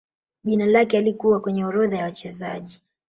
Jina lake halikuwa kwenye orodha ya wachezaji